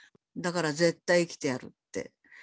だから絶対生きてやるって。